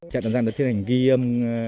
chạy tạm giam được thiết hành ghi âm